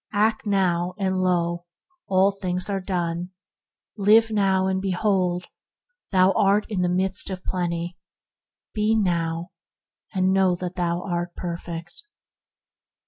Act now, and, lo! all things are done; live now, and, behold! thou art in the midst of Plenty; be now, and know that thou art perfect.